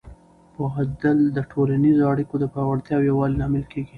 پوهېدل د ټولنیزو اړیکو د پیاوړتیا او یووالي لامل کېږي.